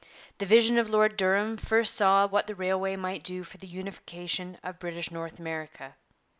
The vision of Lord Durham first saw what the railway might do for the unification of British North America.